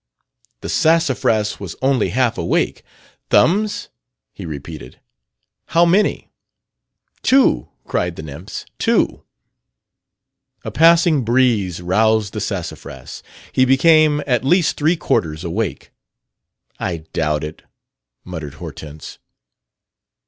"The Sassafras was only half awake. 'Thumbs?' he repeated. 'How many?' "'Two!' cried the nymphs. 'Two!' "A passing breeze roused the Sassafras. He became at least three quarters awake." "I doubt it," muttered Hortense.